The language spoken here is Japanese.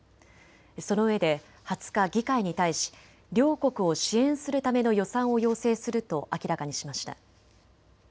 そのうえで２０日、議会に対し両国を支援するための予算を要請すると明らかにしました。